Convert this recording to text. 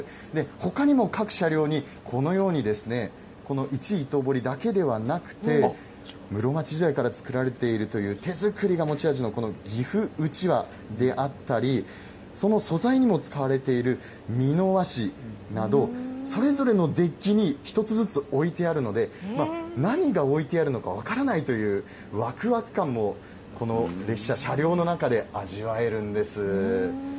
ほかにも各車両にこのように、この一位一刀彫だけではなくて、室町時代から作られているという、手作りが持ち味のこの岐阜団扇であったり、その素材にも使われている美濃和紙など、それぞれのデッキに１つずつ置いてあるので、何が置いてあるのか分からないというわくわく感も、この列車、車両の中で味わえるんです。